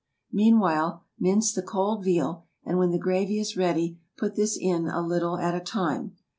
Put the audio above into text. Meanwhile, mince the cold veal, and when the gravy is ready put this in a little at a time.